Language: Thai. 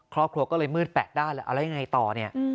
ครอบครัวก็เลยมืดแปดด้านอะไรยังไงต่อเนี่ย